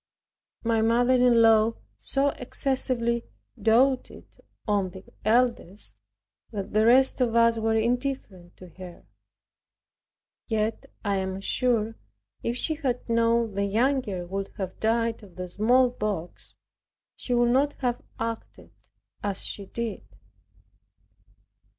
My mother in law so excessively doted on the eldest, that the rest of us were indifferent to her. Yet I am assured, if she had known the younger would have died of the smallpox, she would not have acted as she did.